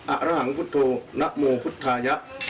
อรหังพุทธโธนโมพุทธายะ